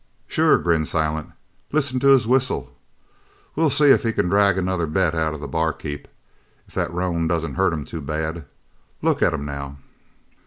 "Sure," grinned Silent, "listen to his whistle! We'll see if we can drag another bet out of the bar keep if the roan doesn't hurt him too bad. Look at him now!"